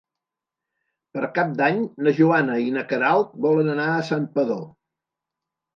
Per Cap d'Any na Joana i na Queralt volen anar a Santpedor.